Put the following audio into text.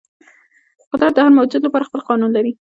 قدرت د هر موجود لپاره خپل قانون لري.